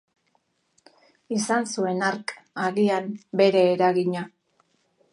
Izan zuen hark, agian, bere eragina.